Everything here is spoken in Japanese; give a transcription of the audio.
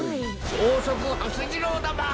ちょうそくはす次郎だま！